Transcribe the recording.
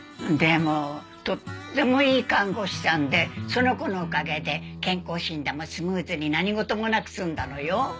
でもとってもいい看護師さんでその子のおかげで健康診断もスムーズに何事もなく済んだのよ。